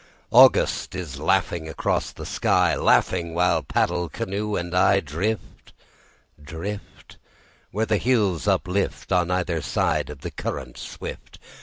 August is laughing across the sky, Laughing while paddle, canoe and I, Drift, drift, Where the hills uplift On either side of the current swift.